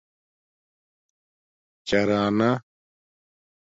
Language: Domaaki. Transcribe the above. چرانݳ